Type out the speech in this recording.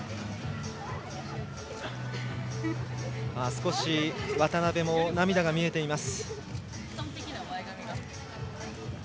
少し渡部も涙が見えています。